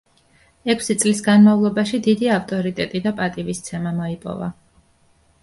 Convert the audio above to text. ექვსი წლის განმავლობაში დიდი ავტორიტეტი და პატივისცემა მოიპოვა.